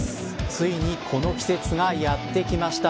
ついにこの季節がやってきました。